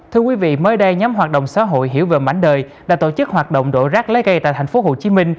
thưa quý vị mới đây nhóm hoạt động xã hội hiểu về mảnh đời đã tổ chức hoạt động đổ rác lấy cây tại tp hcm